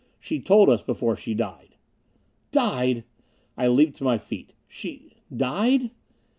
She told us before she died." "Died!..." I leaped to my feet. "She ... died...."